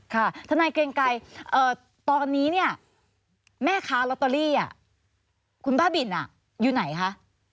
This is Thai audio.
ค่ะถนัยเกรงไกรตอนนี้แม่ค้ารอตเตอรี่คุณป้าบินอยู่ไหนคะ